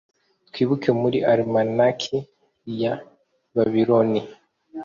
Twibuke muri almanac ya Babiloni